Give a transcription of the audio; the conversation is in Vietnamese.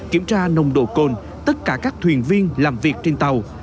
kiểm tra nồng độ cồn tất cả các thuyền viên làm việc trên tàu